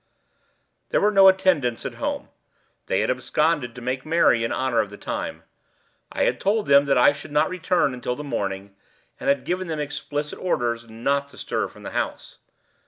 There were no attendants at home; they had absconded to make merry in honor of the time. I had told them that I should not return until the morning, and had given them explicit orders not to stir from the house.